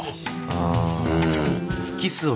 うん。